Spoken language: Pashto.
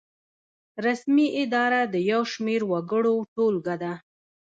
رسمي اداره د یو شمیر وګړو ټولګه ده.